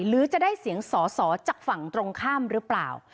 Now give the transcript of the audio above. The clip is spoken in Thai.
หรือจะได้เสียงสอสอจากฝั่งตรงข้ามหรือเปล่า